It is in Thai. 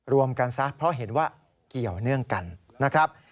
รวมกันซะเพราะเห็นว่าเกี่ยวเนื่องกันนะครับ